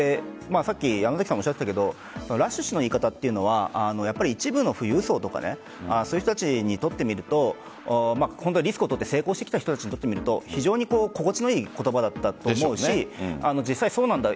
山崎さんもおっしゃっていましたがラッシュ氏の言い方というのは一部の富裕層とかそういう人たちにとってみるとリスクを取って成功してきた人たちにとってみると心地の良い言葉だったと思うし実際そうなんだ。